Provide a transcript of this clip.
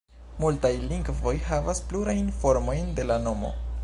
Multaj lingvoj havas plurajn formojn de la nomo.